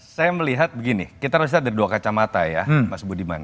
saya melihat begini kita harus lihat dari dua kacamata ya mas budiman